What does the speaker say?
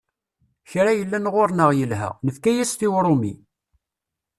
Kra yellan ɣur-neɣ yelha, nefka-as-t i Urumi.